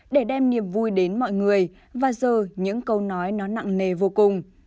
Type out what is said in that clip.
để đem niềm vui đến mọi người và giờ những câu nói nó nặng nề vô cùng